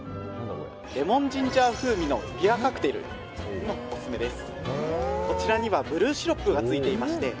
レモンジンジャー風味のビアカクテルがオススメです。